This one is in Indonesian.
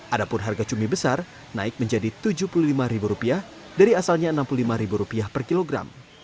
ada pun harga cumi besar naik menjadi tujuh puluh lima ribu rupiah dari asalnya enam puluh lima ribu rupiah per kilogram